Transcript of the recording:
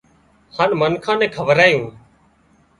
هانَ منکان نين کوَرايون